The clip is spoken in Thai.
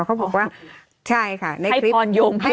เขาบอกว่าใช่ค่ะให้พรโยมเพื่อน